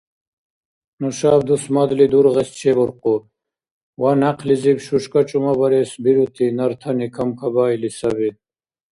Нушаб дусмадли дургъес чебуркъуб, ва някълизиб шушкӀа чӀумабарес бирути нартани камкабаили саби.